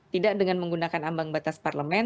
tidak dengan menggunakan ambang batas parlemen